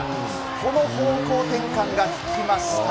この方向転換が効きました。